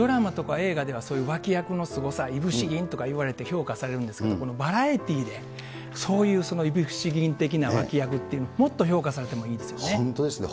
映画ではそういう脇役のすごさ、いぶし銀とかいわれて、評価されるんですけど、バラエティでそういうそのいぶし銀的な脇役っていうのは、もっと本当ですね。